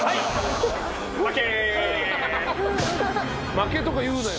負けとか言うなよ。